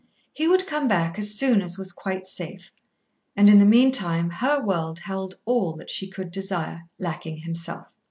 He would come back as soon as was quite safe. And in the meantime her world held all that she could desire, lacking himself.